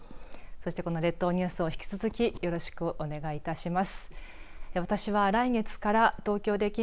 そしてこの列島ニュースを引き続きよろしくお願いします。